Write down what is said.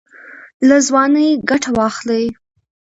له ځوانۍ ګټه واخلئ